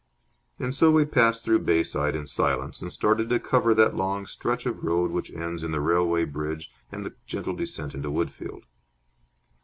And so we passed through Bayside in silence and started to cover that long stretch of road which ends in the railway bridge and the gentle descent into Woodfield.